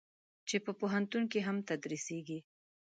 چې په پوهنتون کې هم تدریسېږي.